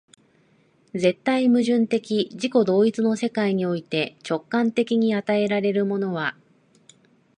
絶対矛盾的自己同一の世界において、直観的に与えられるものは、